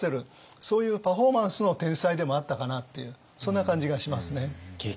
そういうパフォーマンスの天才でもあったかなっていうそんな感じがしますね。